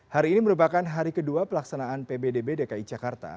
hari ini merupakan hari kedua pelaksanaan pbdb dki jakarta